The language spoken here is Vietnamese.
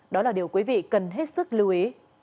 đó là điều quý vị cần hết sức lưu ý